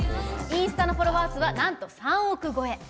インスタのフォロワー数はなんと３億超え。